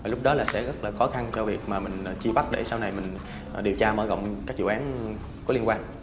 lúc đó là sẽ rất là khó khăn cho việc mà mình chi bắt để sau này mình điều tra mở rộng các dự án có liên quan